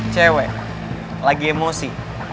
cewek lagi emosi